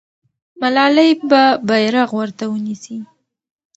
ملالۍ به بیرغ ورته ونیسي.